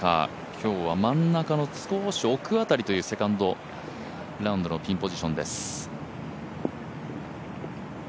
今日は真ん中の少し奥辺りというセカンドラウンドのピンポジションです。